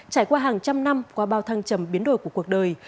trải qua hàng trăm năm qua bao thăng trầm biến đổi của cuộc đời